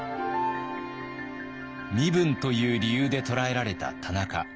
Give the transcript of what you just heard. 身分という理由で捕らえられた田中。